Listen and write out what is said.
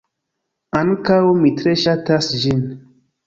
Ankaŭ mi tre ŝatas ĝin.